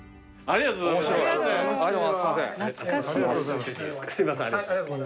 ありがとうございます。